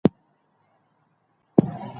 هندوکش د کلتور په داستانونو کې دی.